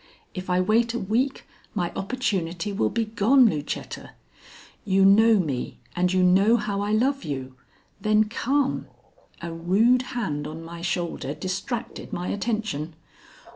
If I wait a week, my opportunity will be gone, Lucetta. You know me and you know how I love you. Then come " A rude hand on my shoulder distracted my attention.